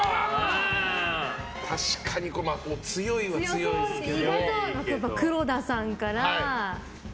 確かに強いは強いですけど。